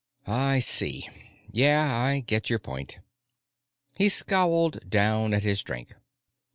"I see. Yeah, I get your point." He scowled down at his drink.